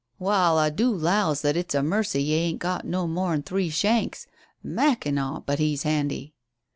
"Wa'al, I do 'lows that it's a mercy 'e ain't got no more'n three shanks. Mackinaw! but he's handy."